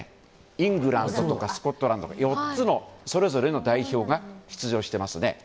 イングランドとかスコットランドとか４つのそれぞれの代表が出場していますね。